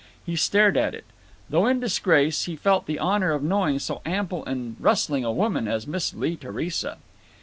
He stared at it. Though in disgrace, he felt the honor of knowing so ample and rustling a woman as Miss Lee Theresa.